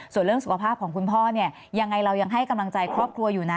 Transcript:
ส่วนเรื่องสุขภาพของคุณพ่อเนี่ยยังไงเรายังให้กำลังใจครอบครัวอยู่นะ